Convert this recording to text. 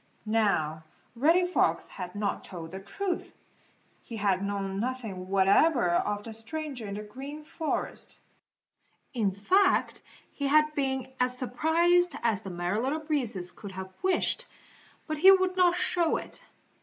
Now Reddy Fox had not told the truth. He had known nothing whatever of the stranger in the Green Forest. In fact he had been as surprised as the Merry Little Breezes could have wished, but he would not show it.